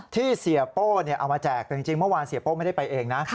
ที่เสียโป้เอามาแจกแต่จริงเมื่อวานเสียโป้ไม่ได้ไปเองนะ